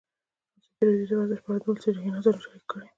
ازادي راډیو د ورزش په اړه د ولسي جرګې نظرونه شریک کړي.